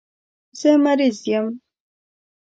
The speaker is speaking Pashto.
زه مریض یم.